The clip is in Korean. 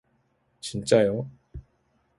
진짜요.